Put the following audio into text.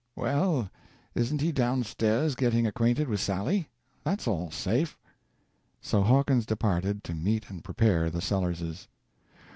"Well, isn't he down stairs getting acquainted with Sally? That's all safe." So Hawkins departed to meet and prepare the Sellerses.